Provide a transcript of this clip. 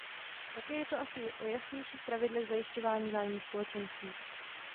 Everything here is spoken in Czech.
Také je to asi o jasnějších pravidlech zajišťování zájmů Společenství.